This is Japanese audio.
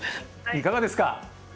いかがですか？